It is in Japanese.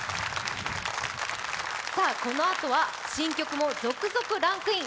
このあとは新曲も続々ランクイン。